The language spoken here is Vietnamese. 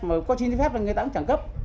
mà có chi phép là người ta cũng chẳng cấp